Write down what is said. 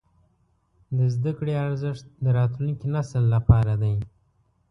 د زده کړې ارزښت د راتلونکي نسل لپاره دی.